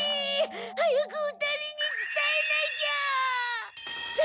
早く２人に伝えなきゃっ！